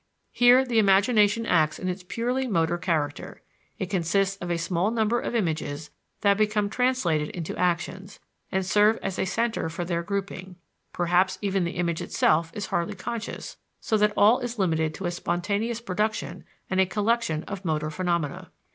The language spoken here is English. Here, the imagination acts in its purely motor character; it consists of a small number of images that become translated into actions, and serve as a center for their grouping; perhaps even the image itself is hardly conscious, so that all is limited to a spontaneous production and a collection of motor phenomena.